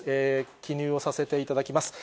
記入をさせていただきます。